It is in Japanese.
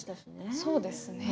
そうですね。